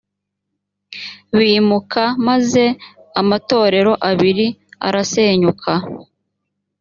bimuka maze amatorero abiri arasenyuka